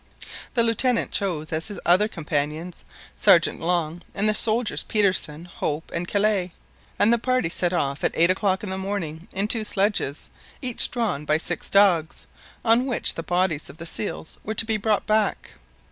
The Lieutenant chose as his other companions, Sergeant Long, and the soldiers Petersen, Hope, and Kellet, and the party set off at eight o'clock in the morning in two sledges, each drawn by six dogs, on which the bodies of the seals were to be brought back.